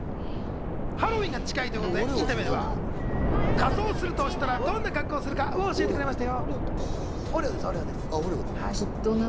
ハロウィーンが近いということでインタビューでは仮装するとしたら、どんな格好をするか教えてくれました。